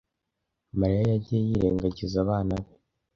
Mariya yagiye yirengagiza abana be.